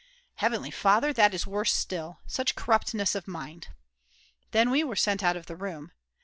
"Heavenly Father, that is worse still; such corruptness of mind!" Then we were sent out of the room.